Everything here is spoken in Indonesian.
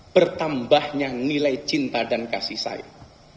bertambahnya nilai cinta dan kasih sayang